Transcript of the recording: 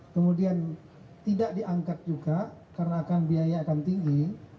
kemudian tidak diangkat juga karena akan biaya akan tinggi